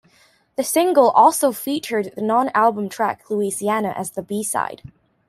The single also featured the non-album track "Louisiana" as the B-side.